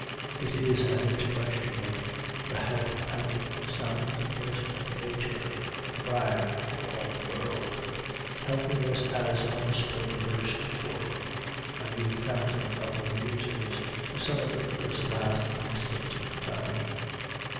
It is an expression of the health and soundness of Nature, a brag for all the world, healthiness as of a spring burst forth, a new fountain of the Muses, to celebrate this last instant of time.